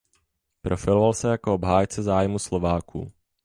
Profiloval se jako obhájce zájmů Slováků.